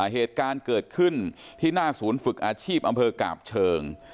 เหตุการณ์เกิดขึ้นที่หน้าศูนย์ฝึกอาชีพอำเภอกาบเชิง